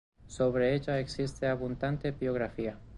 Sobre ella existe abundante bibliografía.